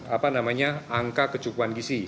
apa namanya angka kecukupan gisi